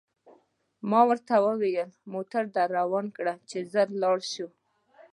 ما ورته وویل: موټر ته در روان کړه، چې ژر ولاړ شو.